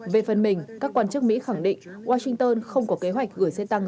về phần mình các quan chức mỹ khẳng định washington không có kế hoạch gửi xe tăng